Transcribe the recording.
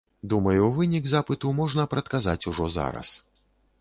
Думаю, вынік запыту можна прадказаць ужо зараз.